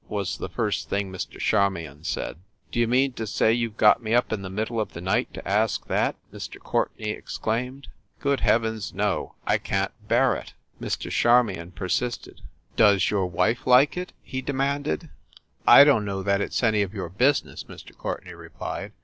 was the first thing Mr. Charmion said. "D you mean to say you ve got me up in the mid dle of the night to ask that?" Mr. Courtenay ex claimed. "Good heavens, no ! I can t bear it." Mr. Charmion persisted. "Does your wife like it?" he demanded. 334 FIND THE WOMAN "I don t know that it s any of your business," Mr. Courtenay replied.